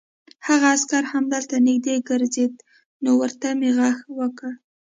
هغه عسکر همدلته نږدې ګرځېد، نو ورته مې غږ وکړ.